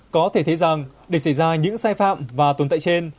có thể thấy rằng để xảy ra những sai phạm và tồn tại trên